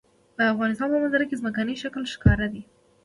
د افغانستان په منظره کې ځمکنی شکل ښکاره ده.